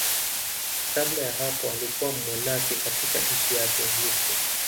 Kabla ya hapo alikuwa mmonaki katika nchi yake, Misri.